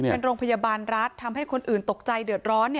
เป็นโรงพยาบาลรัฐทำให้คนอื่นตกใจเดือดร้อน